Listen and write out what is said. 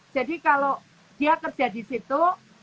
jadi kalau dia kerja di situ